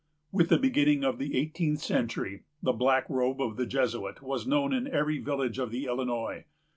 With the beginning of the eighteenth century, the black robe of the Jesuit was known in every village of the Illinois.